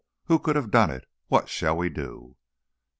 Who could have done it? What shall we do?"